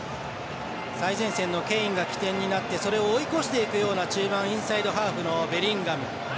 最前線のケインが起点になってそれを追い越していくような中盤、インサイドハーフのベリンガム。